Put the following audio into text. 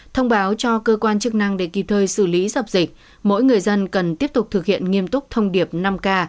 thông báo cho cơ quan chức năng để kịp thời xử lý dập dịch mỗi người dân cần tiếp tục thực hiện nghiêm túc thông điệp năm k